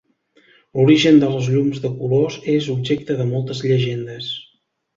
L'origen de les llums de colors és objecte de moltes llegendes.